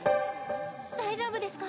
大丈夫ですか？